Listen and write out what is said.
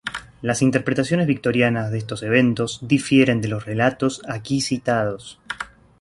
Las interpretaciones victorianas de estos eventos difieren de los relatos aquí citados.